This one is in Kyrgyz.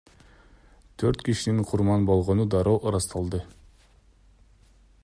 Төрт кишинин курман болгону дароо ырасталды.